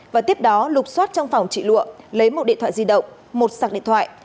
và tiếp đó lục xoát trong phòng trị lụa lấy một điện thoại di động một sạc điện thoại